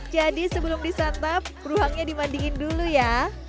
jadi sebelum disantap beruangnya dimandingin dulu ya